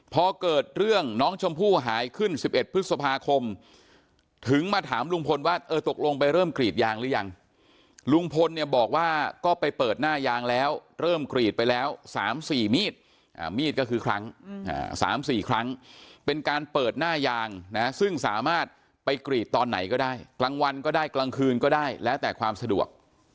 พอเกิดเรื่องน้องชมพู่หายขึ้น๑๑พฤษภาคมถึงมาถามลุงพลว่าเออตกลงไปเริ่มกรีดยางหรือยังลุงพลเนี่ยบอกว่าก็ไปเปิดหน้ายางแล้วเริ่มกรีดไปแล้ว๓๔มีดมีดก็คือครั้ง๓๔ครั้งเป็นการเปิดหน้ายางนะซึ่งสามารถไปกรีดตอนไหนก็ได้กลางวันก็ได้กลางคืนก็ได้แล้วแต่ความสะดวก